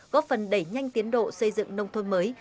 góp phần đẩy nhanh tiến độ xây dựng nông thôn mới